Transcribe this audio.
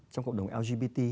trong cộng đồng lgbt